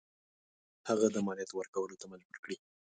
هغه د مالیاتو ورکولو ته مجبور کړي.